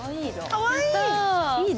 かわいい！